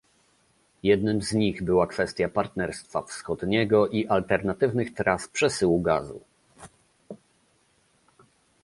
Jednym z nich była kwestia partnerstwa wschodniego i alternatywnych tras przesyłu gazu